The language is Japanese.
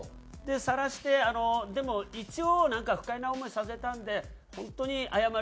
さらしてでも一応なんか「不快な思いさせたんで本当に謝ります」